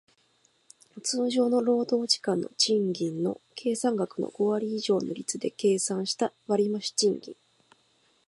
通常の労働時間の賃金の計算額の五割以上の率で計算した割増賃金